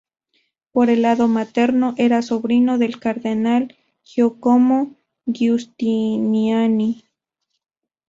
Por el lado materno, era sobrino del cardenal Giacomo Giustiniani.